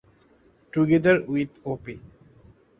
Together with Op.